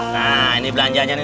nah ini belanjaannya nih